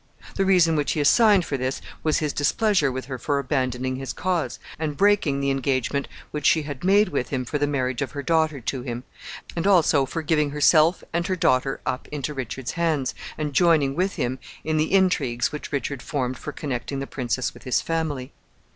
The reason which he assigned for this was his displeasure with her for abandoning his cause, and breaking the engagement which she had made with him for the marriage of her daughter to him, and also for giving herself and her daughter up into Richard's hands, and joining with him in the intrigues which Richard formed for connecting the princess with his family.